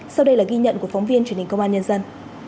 sau đây là ghi nhận của phóng viên truyền hình công an nhân dân